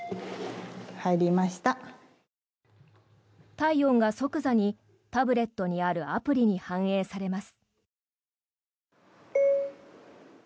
体温が即座にタブレットにあるアプリに反映されます。